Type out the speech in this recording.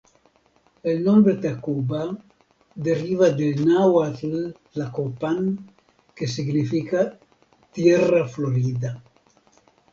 El nombre Tacuba, deriva del náhuatl "Tlacopan", que significa "tierra florida".